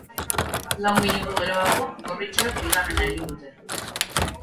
Lau minutu geroago, gorritxoek bigarrena egin dute.